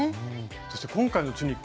そして今回のチュニック。